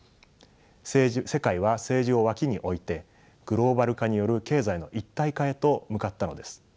世界は政治を脇に置いてグローバル化による経済の一体化へと向かったのです。